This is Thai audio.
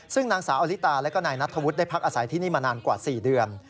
ซึ่งนางสาวอลิตาและก็นายนัทธวุฒิได้พักอาศัยที่นี่มานานกว่า๔เดือน